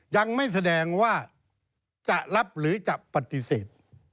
ยังไม่แสดงว่าจะรับหรือจะปฏิเสธ